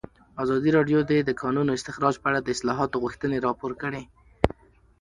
ازادي راډیو د د کانونو استخراج په اړه د اصلاحاتو غوښتنې راپور کړې.